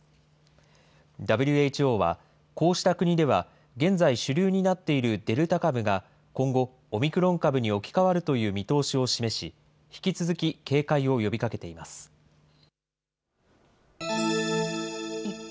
ＷＨＯは、こうした国では、現在主流になっているデルタ株が今後、オミクロン株に置き換わるという見通しを示し、引き続き警戒を呼一方